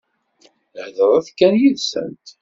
Heḍṛet kan yid-sent.